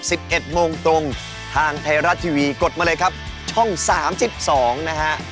สิบเอ็ดโมงตรงทางไทยรัฐทีวีกดมาเลยครับช่องสามสิบสองนะฮะ